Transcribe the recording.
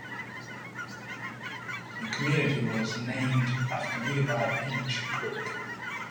The community was named after nearby Pinch Creek.